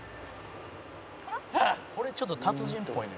「これちょっと達人っぽいね」